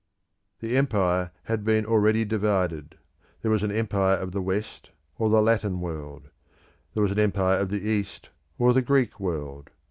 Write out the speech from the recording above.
The empire had been already divided. There was an empire of the West, or the Latin world; there was an empire of the East, or the Greek world.